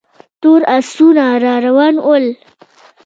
تور آسونه را روان ول.